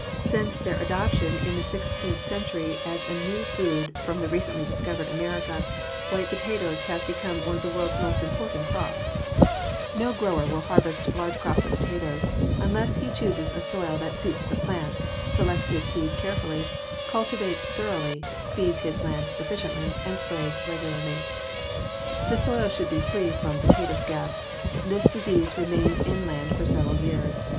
Since their adoption in the sixteenth century as a new food from recently discovered America, white potatoes have become one of the world's most important crops. [Illustration: FIG. 204. CULTIVATING AND RIDGING POTATOES] No grower will harvest large crops of potatoes unless he chooses soil that suits the plant, selects his seed carefully, cultivates thoroughly, feeds his land sufficiently, and sprays regularly. The soil should be free from potato scab. This disease remains in land for several years.